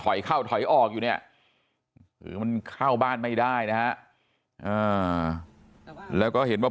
เข้าถอยออกอยู่เนี่ยคือมันเข้าบ้านไม่ได้นะฮะแล้วก็เห็นว่า